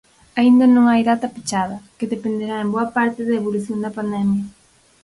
Aínda non hai data pechada, que dependerá en boa parte da evolución da pandemia.